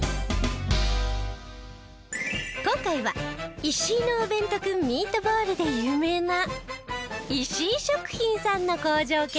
今回はイシイのおべんとクンミートボールで有名な石井食品さんの工場見学に。